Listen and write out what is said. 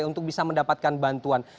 untuk bisa mendapatkan bantuan